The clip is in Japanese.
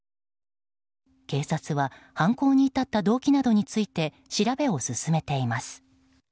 警察は、犯行に至った動機などについて調べを進めています。